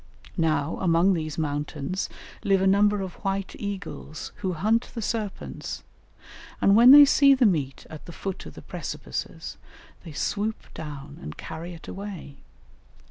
Now, among these mountains live a number of white eagles, who hunt the serpents, and when they see the meat at the foot of the precipices they swoop down and carry it away.